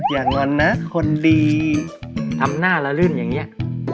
อย่างน้อยนะคนดีทำหน้าละลื่นอย่างเงี้ย